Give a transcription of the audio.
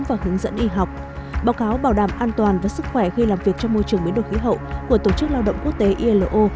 và hướng dẫn y học báo cáo bảo đảm an toàn và sức khỏe khi làm việc trong môi trường biến đổi khí hậu của tổ chức lao động quốc tế ilo